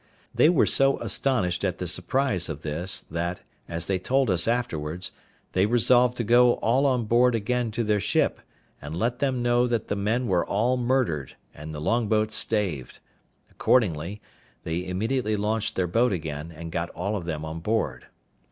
They were so astonished at the surprise of this, that, as they told us afterwards, they resolved to go all on board again to their ship, and let them know that the men were all murdered, and the long boat staved; accordingly, they immediately launched their boat again, and got all of them on board.